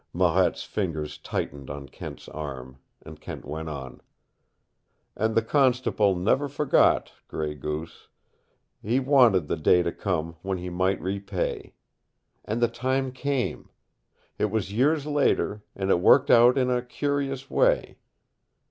Marette's fingers tightened on Kent's arm. And Kent went on. "And the constable never forgot, Gray Goose. He wanted the day to come when he might repay. And the time came. It was years later, and it worked out in a curious way.